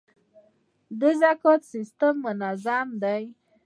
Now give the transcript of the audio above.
د زکات سیستم منظم دی؟